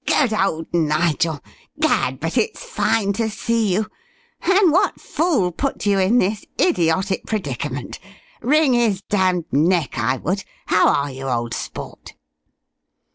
"Good old Nigel! Gad! but it's fine to see you. And what fool put you in this idiotic predicament? Wring his damned neck, I would. How are you, old sport?"